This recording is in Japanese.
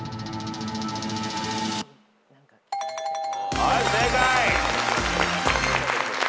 はい正解。